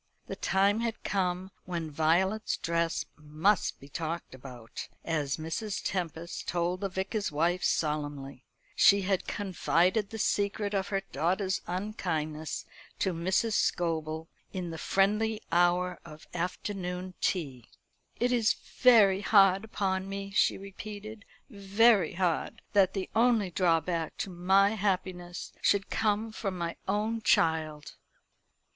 The time had come when Violet's dress must be talked about, as Mrs. Tempest told the Vicar's wife solemnly. She had confided the secret of her daughter's unkindness to Mrs. Scobel, in the friendly hour of afternoon tea. "It is very hard upon me," she repeated "very hard that the only drawback to my happiness should come from my own child."